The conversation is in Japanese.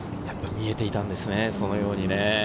見えていたんですね、そのように。